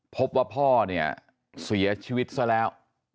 พบว่าพ่อเนี่ยเสียชีวิตซะแล้ว